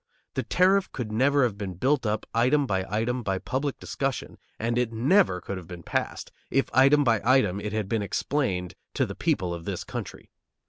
The tariff could never have been built up item by item by public discussion, and it never could have passed, if item by item it had been explained to the people of this country.